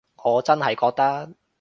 我真係覺得